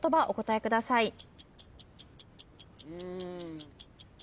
お答えください。